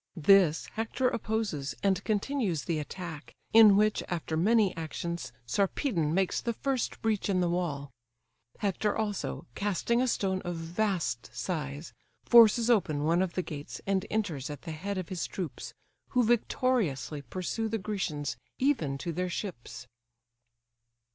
This Hector opposes, and continues the attack; in which, after many actions, Sarpedon makes the first breach in the wall. Hector also, casting a stone of vast size, forces open one of the gates, and enters at the head of his troops, who victoriously pursue the Grecians even to their ships.